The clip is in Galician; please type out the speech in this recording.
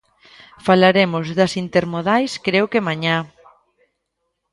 Falaremos das intermodais creo que mañá.